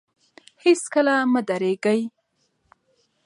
هېڅکله مه درېږئ.